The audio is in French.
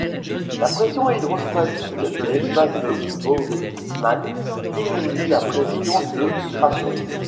La pression hydrostatique de l'espace de Bowman diminue la pression de filtration.